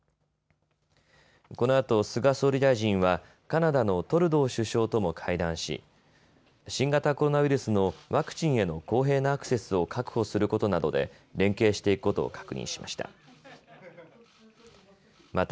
このあと菅総理大臣はカナダのトルドー首相とも会談し新型コロナウイルスのワクチンへの公平なアクセスを確保することなどで連携していくことを確認しました。